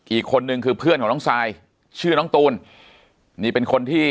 อีกคนนึงคือเพื่อนของน้องซายชื่อน้องตูนนี่เป็นคนที่